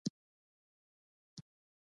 هېواد ته باید درناوی وکړو